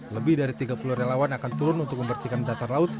lebih dari tiga puluh relawan akan turun untuk membersihkan dasar laut